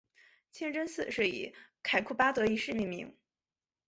清真寺是以凯库巴德一世命名。